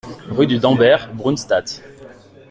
Rue du Damberg, Brunstatt